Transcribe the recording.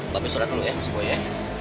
babi sholat dulu ya besok gue ya